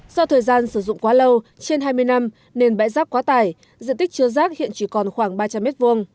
do thời gian sử dụng quá lâu trên hai mươi năm nền bãi rác quá tải diện tích chứa rác hiện chỉ còn khoảng ba trăm linh m hai